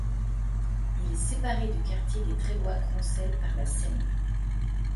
Il est séparé du Quartier des Trévois-Croncels par la Seine.